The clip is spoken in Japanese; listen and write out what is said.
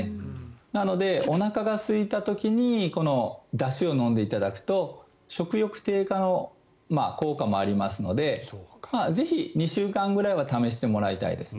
なのでおなかがすいた時にこのだしを飲んでいただくと食欲低下の効果もありますのでぜひ、２週間ぐらいは試してもらいたいですね。